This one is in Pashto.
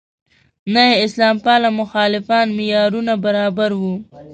نه یې اسلام پاله مخالفان معیارونو برابر وو.